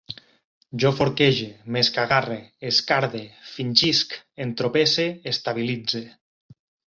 Jo forquege, m'escagarre, escarde, fingisc, entropesse, estabilitze